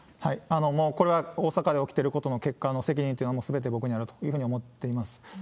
もうこれは大坂で起きてることの結果の責任というのは、もうすべて僕にあるというふうに思ってます。